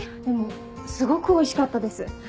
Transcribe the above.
でもすごくおいしかったです